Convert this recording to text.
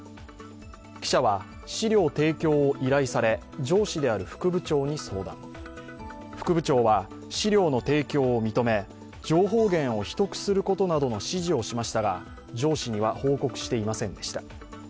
記者は資料提供を依頼され上司である副部長に相談、副部長は、資料の提供を認め、情報源を秘匿するなどの指示をしましたが上司には報告していませんでした。